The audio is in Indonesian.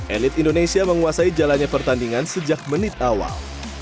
elit indonesia menguasai jalannya pertandingan sejak menit awal